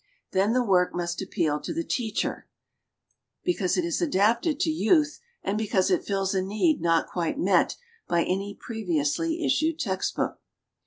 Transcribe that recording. Then the work must appeal to the teacher, because 60 GEOGRAPHIC LITERA TURE it is adapted to youth and because it fills a need not quite met by any previously issued text book.